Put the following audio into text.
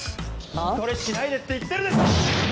筋トレしないでって言ってるでしょ！